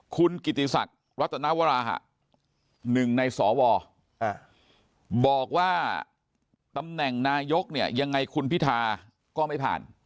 คุณกิติศักดิ์วัฒนาวราฮะ๑ในสวบอกว่าตำแหน่งนายกยังไงคุณพิธาก็ไม่ผ่าน